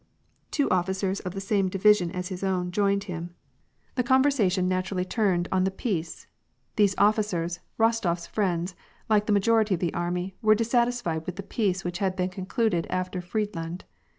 Two officers of the same division as his own joined him. WAR AND PEACE. 16S The conyersation naturally turned on the peace. These offi cers, RostoFs friends, like the majority of the army, were dissatisfied with the peace which had been concluded after Friedland.